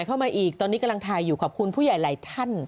เข้ามาอีกตอนนี้กำลังถ่ายอยู่ขอบคุณผู้ใหญ่หลายท่าน